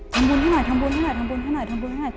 ทำบุญให้หน่อยทำบุญให้หน่อยทำบุญให้หน่อย